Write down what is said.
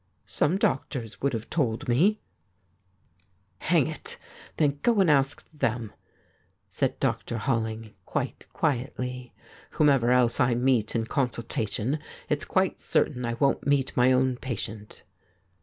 'Some doctors would have told me.' 31 THIS IS ALL ' Hang it ! then, go and ask them/ said Dr. Holling quite quietly. ' Whomever else I meet in con sultation^ it's quite certain I won't meet my own patient.'